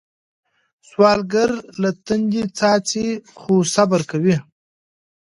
سوالګر له تندي څاڅي خو صبر کوي